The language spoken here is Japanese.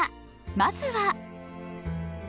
まずは。